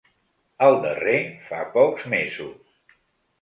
El darrer, fa pocs mesos.